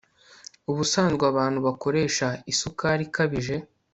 Ubusanzwe abantu bakoresha isukari ikabije